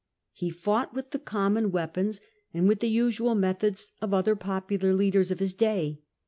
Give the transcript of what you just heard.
He fought with the common weapons and with the usual methods of other popular leaders of his day.